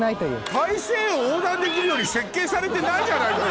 大西洋横断できるように設計されてないじゃないのよ！